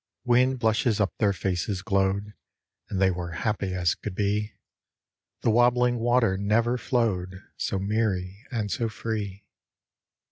Wind blushes up their faces glowed, And they were happy as could be. The wobbling water never flowed So merry and so free.